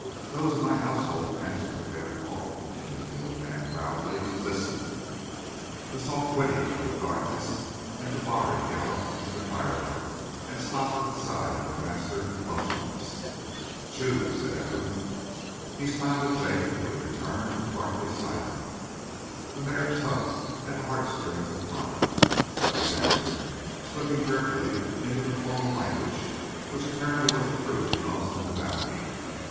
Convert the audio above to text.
"Those of my household answer when they are called," continued the old man proudly. "Listen!" A soft whinny out of the darkness, and Tabari galloped into the firelight, and stopped at the side of her master motionless. "Choose," said Ephraim. He smiled at Jacob, who in return was darkly silent. The mare tugged at the heartstrings of Connor, but he answered, slipping carefully into the formal language which apparently was approved most in the valley.